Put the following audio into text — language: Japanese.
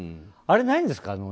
あれはないんですか？